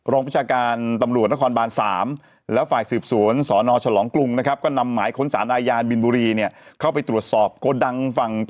ต้องเชื่อนแย้นรักฐาน